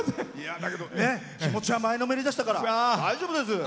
だけど、気持ちは前のめりでしたから大丈夫です。